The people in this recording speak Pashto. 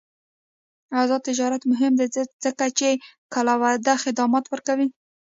آزاد تجارت مهم دی ځکه چې کلاؤډ خدمات ورکوي.